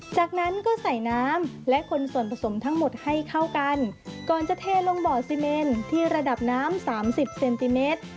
จากนั้นก็ใส่น้ำและคนส่วนผสมทั้งหมดให้เข้ากันก่อนจะเทลงบ่อซีเมนที่ระดับน้ำสามสิบเซนติเมตร